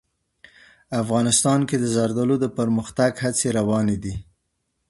افغانستان کې د زردالو د پرمختګ هڅې روانې دي.